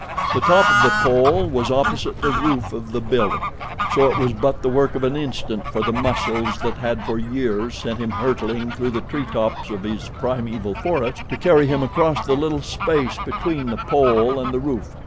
The top of the pole was opposite the roof of the building, so it was but the work of an instant for the muscles that had for years sent him hurtling through the treetops of his primeval forest to carry him across the little space between the pole and the roof.